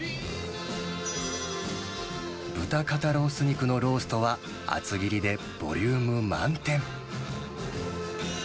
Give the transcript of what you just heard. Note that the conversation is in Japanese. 豚肩ロース肉のローストは、厚切りでボリューム満点。